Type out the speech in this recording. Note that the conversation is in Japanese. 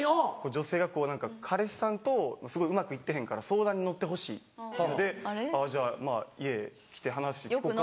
女性が彼氏さんとうまくいってへんから相談に乗ってほしいというので「じゃあ家へ来て話聞こか」